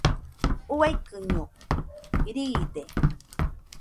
Uaikɨño riide.